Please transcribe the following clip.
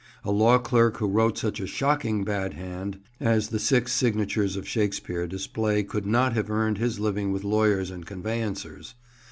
A law clerk who wrote such a shocking bad hand as the six signatures of Shakespeare display could not have earned his living with lawyers and conveyancers.